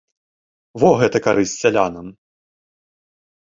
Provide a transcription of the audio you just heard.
Во гэта карысць сялянам!